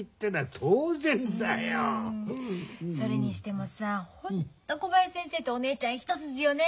それにしてもさあホンット小林先生ってお姉ちゃん一筋よね。